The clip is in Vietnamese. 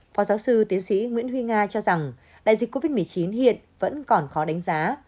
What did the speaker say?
phó giáo sư tiến sĩ nguyễn huy nga cho rằng đại dịch covid một mươi chín hiện vẫn còn khó đánh giá